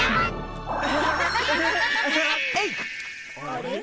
あれ？